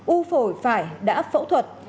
u phổi phải đã phẫu thuật